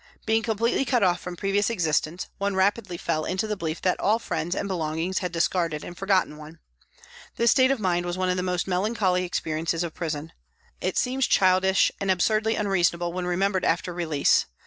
Being completely cut off from previous existence, one rapidly fell into the belief that all friends and belongings had discarded and forgotten one. This state of mind was one of the most melancholy experiences of prison. It seems childish and ab surdly unreasonable when remembered after release.